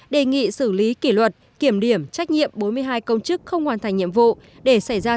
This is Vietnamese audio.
đề nghị xử lý kỷ luật kiểm điểm trách nhiệm bốn mươi hai công chức không hoàn thành nhiệm vụ để xảy ra